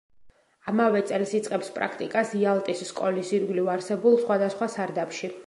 ამავე წელს იწყებს პრაქტიკას იალტის სკოლის ირგვლივ არსებულ სხვადასხვა სარდაფში.